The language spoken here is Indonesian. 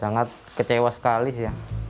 sangat kecewa sekali